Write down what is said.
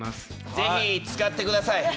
ぜひ使ってください。